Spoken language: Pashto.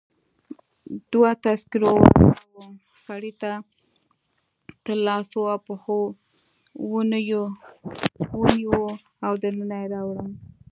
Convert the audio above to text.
دوو تذکره والاو سړی تر لاسو او پښو ونیو او دننه يې راوړ.